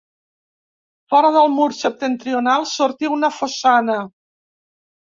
Fora del mur septentrional sortí una fossana.